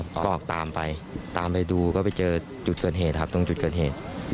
ก็ออกตามไปตามไปดูก็ไปเจอจุดเกิดเหตุครับตรงจุดเกิดเหตุ